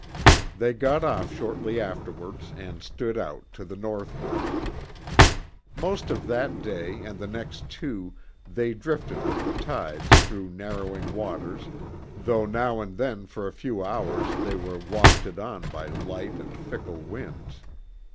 They got off shortly afterwards and stood out to the northwards. Most of that day and the next two they drifted with the tides through narrowing waters, though now and then for a few hours they were wafted on by light and fickle winds.